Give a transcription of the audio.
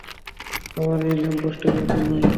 আমরা এই লম্পটের মত নই।